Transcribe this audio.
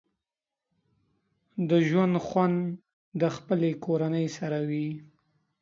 د ژوند خوند د خپلې کورنۍ سره وي